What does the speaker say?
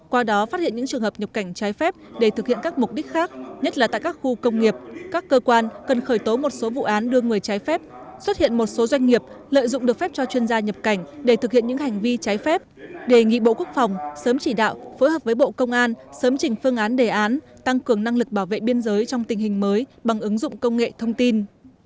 qua đó phát hiện những trường hợp nhập cảnh trái phép để thực hiện các mục đích khác nhất là tại các khu công nghiệp các cơ quan cần khởi tố một số vụ án đưa người trái phép xuất hiện một số doanh nghiệp lợi dụng được phép cho chuyên gia nhập cảnh để thực hiện những hành vi trái phép đề nghị bộ quốc phòng sớm chỉ đạo phối hợp với bộ công an sớm chỉnh phương án đề án tăng cường năng lực bảo vệ biên giới trong tình hình mới bằng ứng dụng công nghệ thông tin